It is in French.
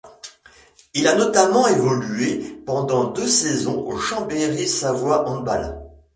Il a notamment évolué pendant deux saisons au Chambéry Savoie Handball.